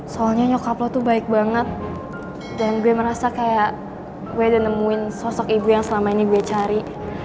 soalnya nyokap lo tuh baik banget dan gue merasa kayak gue udah nemuin sosok ibu yang selama ini gue cari